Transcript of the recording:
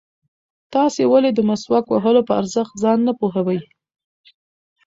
تاسې ولې د مسواک وهلو په ارزښت ځان نه پوهوئ؟